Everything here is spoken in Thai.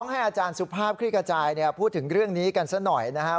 ให้อาจารย์สุภาพคลิกระจายพูดถึงเรื่องนี้กันซะหน่อยนะครับ